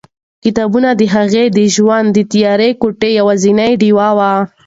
کتابونه د هغې د ژوند د تیاره کوټې یوازینۍ ډېوه وه.